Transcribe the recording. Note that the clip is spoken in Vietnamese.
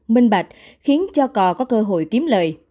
minh bạch khiến cho cò có cơ hội kiếm lời